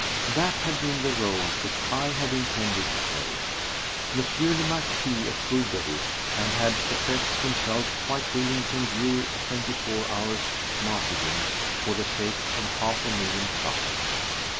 That had been the rôle which I had intended to play. M. le Marquis approved of it and had professed himself quite willing to endure a twenty four hours' martyrdom for the sake of half a million francs.